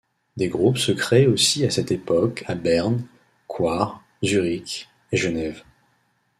Des groupes se créent aussi à cette époque à Berne, Coire, Zurich et Genève.